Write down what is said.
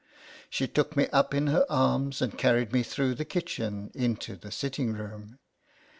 She took me up in her arms, and carried me through the kitchen into the / sitting room.